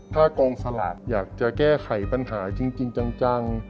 ถ้ากองสลากอยากจะแก้ไขปัญหาจริงจัง